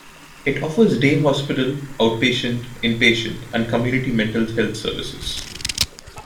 It offers day hospital, outpatient, inpatient, and community mental health services.